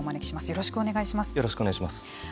よろしくお願いします。